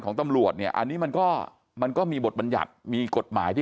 ของตำรวจเนี่ยอันนี้มันก็มันก็มีบทบัญญัติมีกฎหมายที่